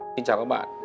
xin chào các bạn